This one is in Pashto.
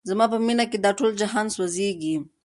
زما په مینه کي دا ټول جهان سوځیږي